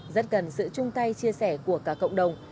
rất cần sự chung tay chia sẻ của cả cộng đồng